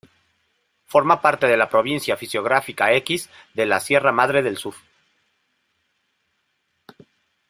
Forma parte de la Provincia Fisiográfica X de la Sierra Madre del Sur.